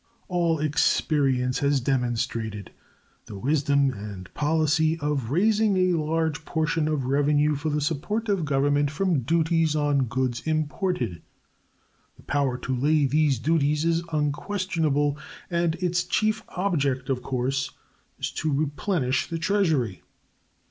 All experience has demonstrated the wisdom and policy of raising a large portion of revenue for the support of Government from duties on goods imported. The power to lay these duties is unquestionable, and its chief object, of course, is to replenish the Treasury.